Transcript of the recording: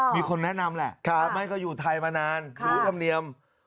มีคนแนะนำแหละไม่ก็อยู่ไทยมานานรู้ธรรมเนียม